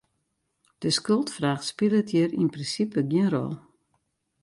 De skuldfraach spilet hjir yn prinsipe gjin rol.